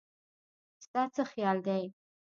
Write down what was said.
ستا څه خيال دی